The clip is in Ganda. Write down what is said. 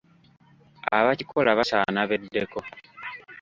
Abakikola basaana beddeko.